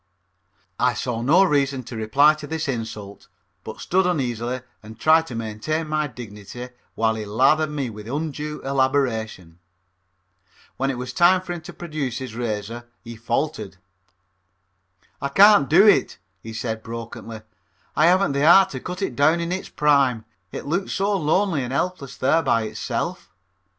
I saw no reason to reply to this insult, but stood uneasily and tried to maintain my dignity while he lathered me with undue elaboration. When it was time for him to produce his razor he faltered. "I can't do it," he said brokenly, "I haven't the heart to cut it down in its prime. It looks so lonely and helpless there by itself."